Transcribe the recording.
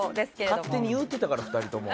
勝手に言うてたから２人とも。